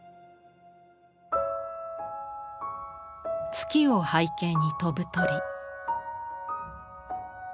月を背景に飛ぶ鳥。